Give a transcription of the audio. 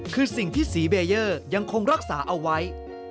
คือสิ่งที่ศรีเบเยอร์ยังคงรักษาเอาไว้